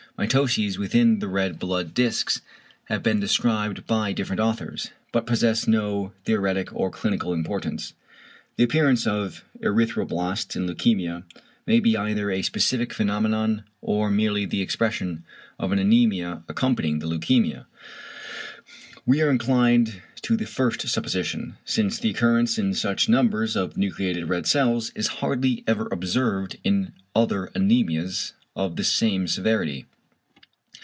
Mitoses within the red blood discs have been described by different authors, but possess no theoretic or clinical importance. The appearance of erythroblasts in leukæmia may be either a specific phenomenon, or merely the expression of an anæmia accompanying the leukæmia. We are inclined to the first supposition, since the occurrence in such numbers of nucleated red cells is hardly ever observed in other anæmias of the same severity.